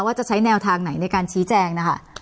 ว่าจะใช้แนวทางไหนในการชี้แจงนะคะ